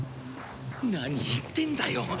何言ってんだよ。